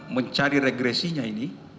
mencari regresinya ini